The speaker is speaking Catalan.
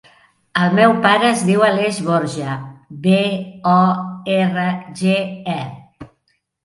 El meu pare es diu Aleix Borge: be, o, erra, ge, e.